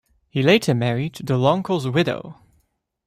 He later married Deloncle's widow.